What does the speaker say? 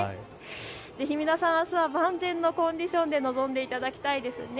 ぜひ皆さん、あすは万全のコンディションで臨んでいただきたいですね。